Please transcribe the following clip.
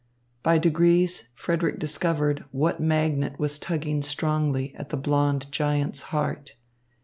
By degrees Frederick discovered what magnet was tugging strongly at the blond giant's heart.